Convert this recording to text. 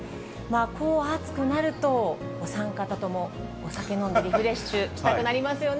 こう暑くなると、お３方ともお酒飲んで、リフレッシュしたくなりますよね。